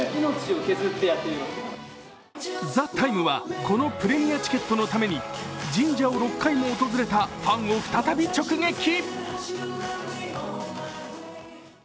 「ＴＨＥＴＩＭＥ，」はこのプレミアチケットのために神社を６回も訪れたファンを再び直撃！